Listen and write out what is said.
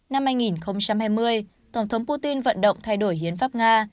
năm hai nghìn hai mươi tổng thống putin vận động thay đổi hiến pháp nga